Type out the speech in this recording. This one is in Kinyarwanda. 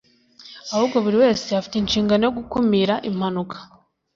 ahubwo buri wese afite inshingano yo gukumira impanuka